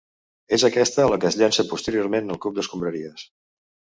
És aquesta la que es llança posteriorment al cub d'escombraries.